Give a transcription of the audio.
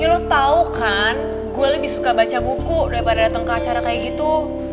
lo tau kan gue lebih suka baca buku daripada datang ke acara kayak gitu